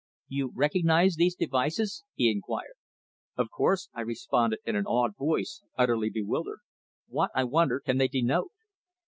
"You recognise these devices?" he inquired. "Of course," I responded in an awed voice, utterly bewildered. "What, I wonder, can they denote?"